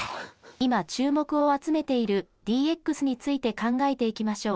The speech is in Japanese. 今、注目を集めているＤＸについて考えていきましょう。